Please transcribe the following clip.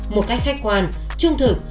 một cách khách quan trung thực